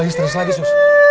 terus lagi sus